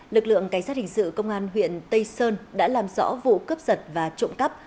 lực lượng cảnh sát hình sự công an huyện tây sơn đã làm rõ vụ cướp giật và trộm cắp